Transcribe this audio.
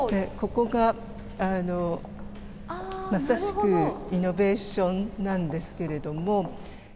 ここがまさしくイノベーションなんですけれども。